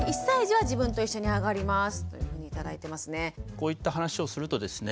こういった話をするとですね